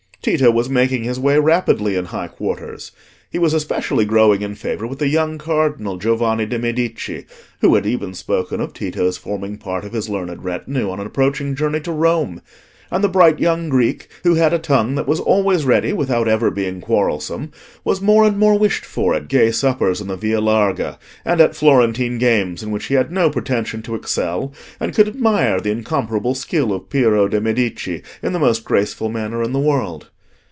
Tito was making his way rapidly in high quarters. He was especially growing in favour with the young Cardinal Giovanni de' Medici, who had even spoken of Tito's forming part of his learned retinue on an approaching journey to Rome; and the bright young Greek who had a tongue that was always ready without ever being quarrelsome, was more and more wished for at gay suppers in the Via Larga, and at Florentine games in which he had no pretension to excel, and could admire the incomparable skill of Piero de' Medici in the most graceful manner in the world.